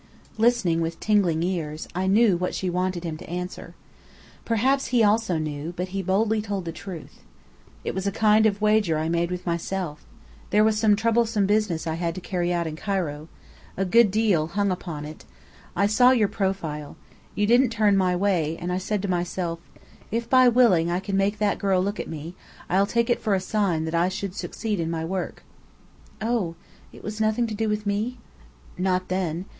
Listening with tingling ears, I knew what she wanted him to answer. Perhaps he also knew, but he boldly told the truth. "It was a kind of wager I made with myself. There was some troublesome business I had to carry out in Cairo. A good deal hung upon it. I saw your profile. You didn't turn my way, and I said to myself: 'If by willing I can make that girl look at me, I'll take it for a sign that I shall succeed in my work.'" "Oh! It was nothing to do with me?" "Not then.